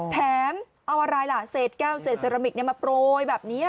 แถมเอาอะไรล่ะเศษแก้วเศษเซรามิกมาโปรยแบบนี้